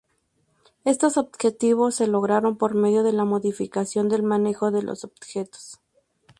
Estos objetivos se lograron por medio de la modificación del manejo de los objetos.